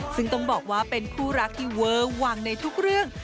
ซึ่งต้องบอกว่าเป็นคู่รักที่เวอร์วังในทุกเรื่อง